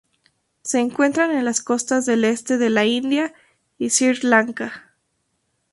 Se encuentran en las costas del este de la India y Sri Lanka.